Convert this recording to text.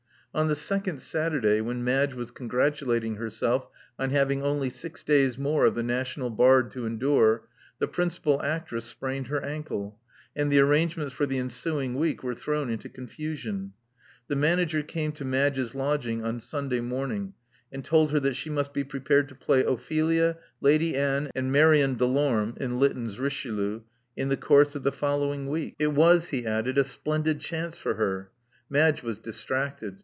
On the second Saturday, when Madge was con gratulating herself on having only six days more of the national Bard to endure, the principal actress sprained her ankle; and the arrangements for the ensuing week were thrown into confusion. The manager came to Madge's lodging on Sunday morn ing, and told her that she must be prepared to play Ophelia, Lady Ann, and Marion Delorme (in Lytton's Richelieu'*) in the course of the following week. It Love Among the Artists 151 was, he added, a splendid chance for her. Madge was distracted.